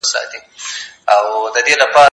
زه به سپينکۍ مينځلي وي